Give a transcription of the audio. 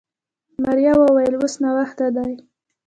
ماريا وويل اوس ناوخته دی.